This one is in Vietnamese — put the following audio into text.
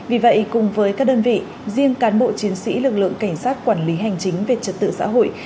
vì vậy cùng với các đơn vị riêng cán bộ chiến sĩ lực lượng cảnh sát quản lý hành chính về trật tự xã hội